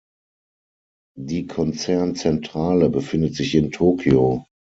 Die Konzernzentrale befindet sich in Tokio.